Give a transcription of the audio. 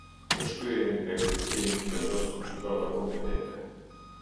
Për shtyrjen e ekzekutimit vendos gjykata kompetente.